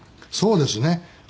そうですね。